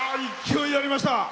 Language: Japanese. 勢いありました。